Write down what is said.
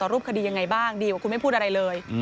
รูปคดียังไงบ้างดีกว่าคุณไม่พูดอะไรเลย